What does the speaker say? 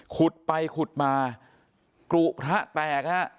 ขุดไปขุดมากรุพระแปลกนะครับ